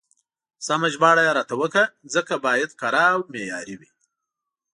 سمه ژباړه يې راته وکړه، ځکه بايد کره او معياري وي.